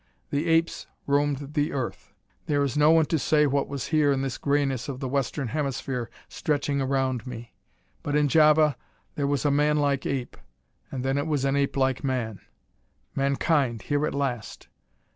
The apes roamed the Earth. There is no one to say what was here in this grayness of the Western Hemisphere stretching around me, but in Java there was a man like ape. And then it was an ape like man! Mankind, here at last!